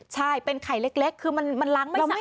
ใช่เป็นไข่เล็กคือมันล้างไม่ได้